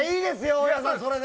大矢さん、それで。